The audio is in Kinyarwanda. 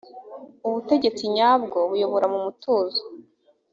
ubutegetsi nyabwo buyobora mumutuzo.